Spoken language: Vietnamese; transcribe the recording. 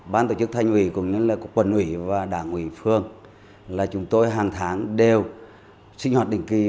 ba tổ chức thanh ủy cũng như là quận ủy và đảng ủy phương là chúng tôi hàng tháng đều sinh hoạt đỉnh kỳ